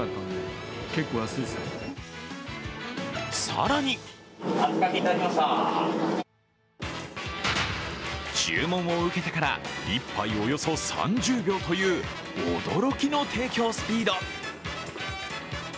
更に注文を受けてから１杯およそ３０秒という驚きの提供スピード。